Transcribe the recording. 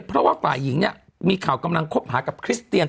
เพราะว่าฝ่ายหญิงเนี่ยมีข่าวกำลังคบหากับคริสเตียน